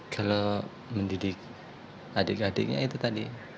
kalau mendidik adik adiknya itu tadi